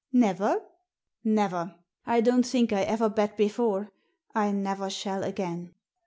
"Never?" Never. I don't think I ever bet before. I never shall again."